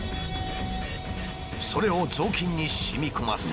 それを雑巾に染み込ませる。